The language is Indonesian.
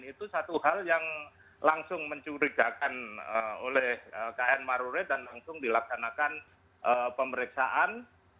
itu satu hal yang langsung mencurigakan oleh kn marure dan langsung dilaksanakan pemeriksaan